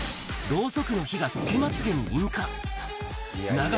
ろうそくの火がつけまつげに引火。